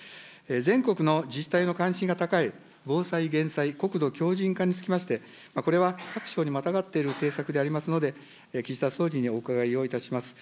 全国の自治体の関心が高い、防災・減災、国土強じん化につきまして、これは、各省にまたがっている政策でありますので、岸田総理にお伺いをいたします。